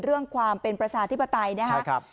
เรื่องความเป็นประชาธิปไตยนะครับ